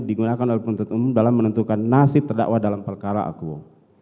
digunakan oleh penuntut umum dalam menentukan nasib terdakwa dalam perkara akuo